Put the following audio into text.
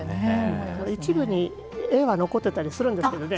一部に絵は残っていたりするんですけどね